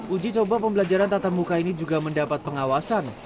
uji coba pembelajaran tatamuka ini juga mendapat pengawasan